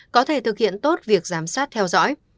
có thể thực hiện tốt việc giám sát theo dõi